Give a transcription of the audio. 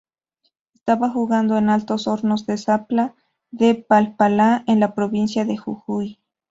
Estaba jugando en Altos Hornos de Zapla, de Palpalá en la Provincia de Jujuy.